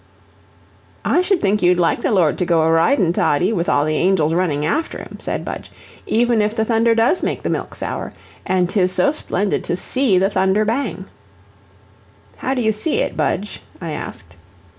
"I should think you'd like the Lord to go a ridin', Toddie, with all the angels running after him," said Budge, "even if the thunder DOES make the milk sour. And 'tis so splendid to SEE the thunder bang." "How do you see it, Budge?" I asked.